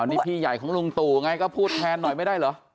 นี่พี่ใหญ่ของลุงตู่ไงก็พูดแทนหน่อยไม่ได้เหรอ